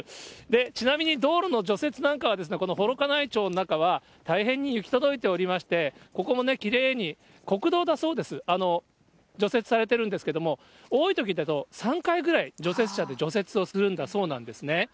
ちなみに道路の除雪なんかは、この幌加内町の中は、大変に行き届いておりまして、ここもきれいに、国道だそうです、除雪されてるんですけども、多いときだと、３回ぐらい除雪車で除雪をするんだそうなんですね。